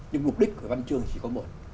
nhưng mục đích của văn chương chỉ có một